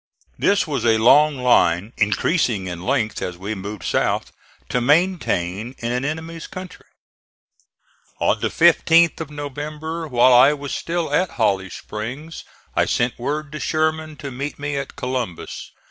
This was a long line (increasing in length as we moved south) to maintain in an enemy's country. On the 15th of November, while I was still at Holly Springs, I sent word to Sherman to meet me at Columbus.